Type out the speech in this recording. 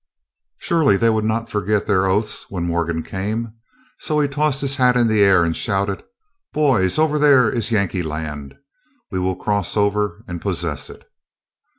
Surely they would not forget their oaths, when Morgan came. So he tossed his hat in the air, and shouted, "Boys, over there is Yankee land! we will cross over and possess it."